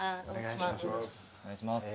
お願いします。